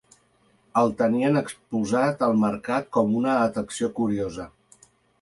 El tenien exposat al mercat com una atracció curiosa.